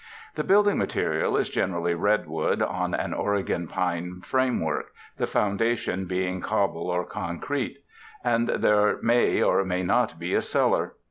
The building material is generally redwood on an Oregon pine framework, the foundation being cobble or concrete; and there may or may not be a cellar.